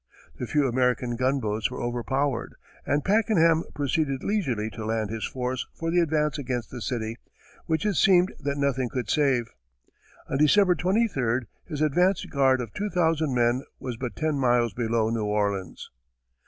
The few American gunboats were overpowered, and Pakenham proceeded leisurely to land his force for the advance against the city, which it seemed that nothing could save. On December 23d, his advance guard of two thousand men was but ten miles below New Orleans.